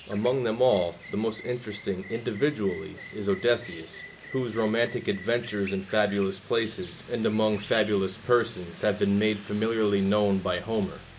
Among them all, the most interesting, individually, is Odysseus, whose romantic adventures in fabulous places and among fabulous persons have been made familiarly known by Homer.